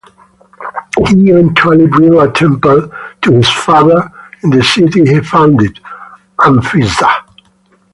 He eventually built a temple to his father in the city he founded, Amphissa.